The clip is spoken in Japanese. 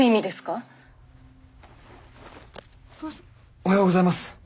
おはようございます。